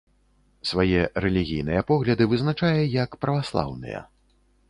Свае рэлігійныя погляды вызначае як праваслаўныя.